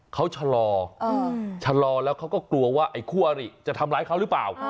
เขาชะลอชะลอแล้วเขาก็กลัวว่าไอ้คู่อริจะทำร้ายเขาหรือเปล่า